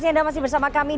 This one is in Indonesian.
gue masih cek